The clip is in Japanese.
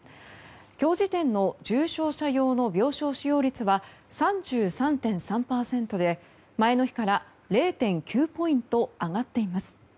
今日時点の重症者用の病床使用率は３３．３％で前の日から０．９ポイント上がっています。